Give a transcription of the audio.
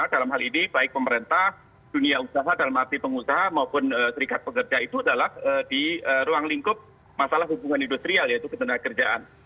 dalam hal ini baik pemerintah dunia usaha dalam arti pengusaha maupun serikat pekerja itu adalah di ruang lingkup masalah hubungan industrial yaitu ketenagakerjaan